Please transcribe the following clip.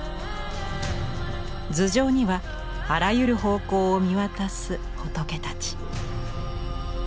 頭上にはあらゆる方向を見渡す仏たち。